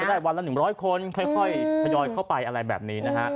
คำหนดจะได้วันละ๑๐๐คนค่อยยอยเข้าไปอะไรแบบนี้นะคะ